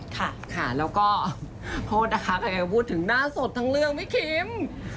ค่ะแล้วก็หัวดาคาเขาพูดถึงหน้าสดทั้งเรื่องพี่ครีม